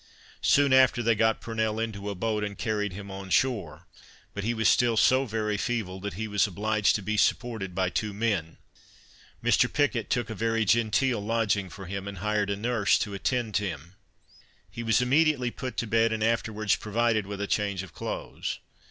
Soon after they got Purnell into a boat, and carried him on shore; but he was still so very feeble, that he was obliged to be supported by two men. Mr. Picket took a very genteel lodging for him, and hired a nurse to attend him; he was immediately put to bed, and afterwards provided with a change of clothes.